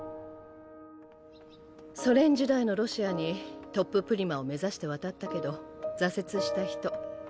ソ連時代のロシアにトッププリマを目指して渡ったけど挫折した人。